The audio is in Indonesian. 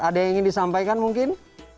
ada yang ingin disampaikan mungkin